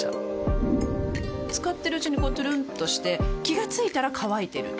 使ってるうちにこうトゥルンとして気が付いたら乾いてる